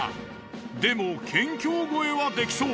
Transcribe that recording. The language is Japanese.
でも県境越えはできそう。